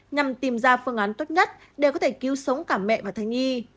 nhằm tìm ra phương án tốt nhất để có thể cứu sống cả mẹ và thay nhi